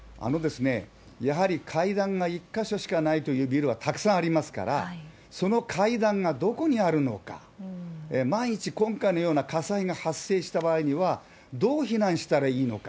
やはり階段が１か所しかないというビルはたくさんありますから、その階段がどこにあるのか、万一今回のような火災が発生した場合には、どう避難したらいいのか。